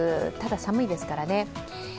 ただ寒いですからね。